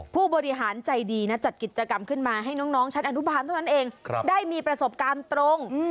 ผู้บริหารใจดีนะจัดกิจกรรมขึ้นมาให้น้องชั้นอนุบาลเท่านั้นเองได้มีประสบการณ์ตรง